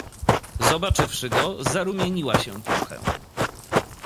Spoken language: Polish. "Zobaczywszy go zarumieniła się trochę."